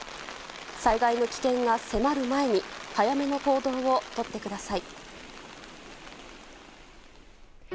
災害の危険が迫る前に早めの行動をとってください。